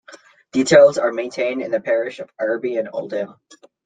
Details are maintained in the parish of Ireby and Uldale.